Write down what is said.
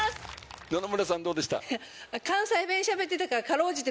野々村さんどうでした？